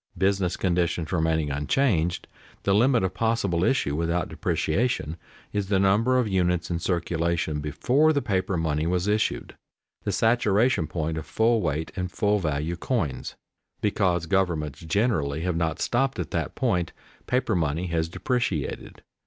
Business conditions remaining unchanged, the limit of possible issue without depreciation is the number of units in circulation before the paper money was issued, the saturation point of full weight and full value coins. Because governments generally have not stopped at that point, paper money has depreciated.